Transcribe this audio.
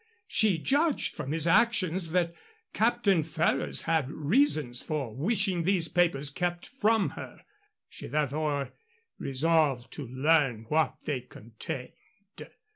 She judged from his actions that Captain Ferrers had reasons for wishing these papers kept from her; she therefore resolved to learn what they contained.